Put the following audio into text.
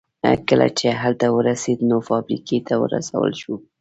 کله چې هلته ورسېد نو فابريکې ته ورسول شو.